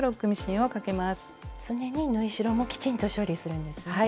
常に縫い代もきちんと処理するんですね。